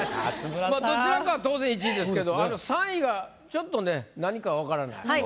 まあどちらかは当然１位ですけど３位がちょっとね何か分からない。